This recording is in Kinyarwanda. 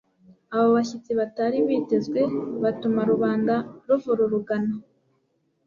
Abo bashyitsi batari bitezwe batuma rubanda ruvururugana,